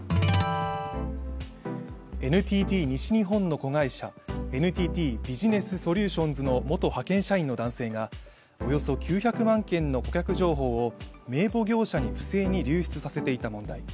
ＮＴＴ西日本の子会社、ＮＴＴビジネスソリューションズの元派遣社員の男性がおよそ９００万件の顧客情報を、名簿業者に不正に流出させていた問題。